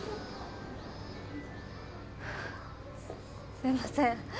すいません。